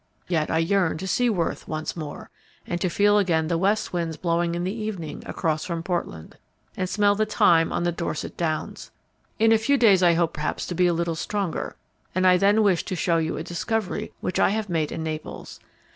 Yet I yearn to see Worth once more, and to feel again the west winds blowing in the evening across from Portland, and smell the thyme on the Dorset downs. In a few days I hope perhaps to be a little stronger, and I then wish to show you a discovery which I have made in Naples.